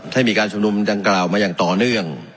ให้มีการชุมนุมดังกล่าวมาอย่างต่อเนื่อง